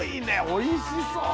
おいしそう！